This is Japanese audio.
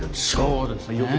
そうですね。